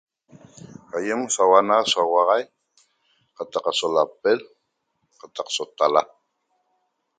Aiem sauana so 'auaxai qataq aso lapel qataq so tala